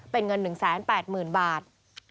เป็นเงิน๑๘๐๐๐บาท